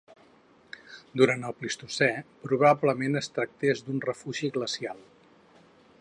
Durant el Plistocè probablement es tractés d'un refugi glacial.